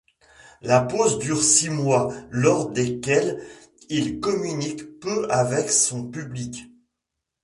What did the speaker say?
La pause dure six mois, lors desquels il communique peu avec son public.